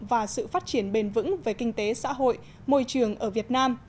và sự phát triển bền vững về kinh tế xã hội môi trường ở việt nam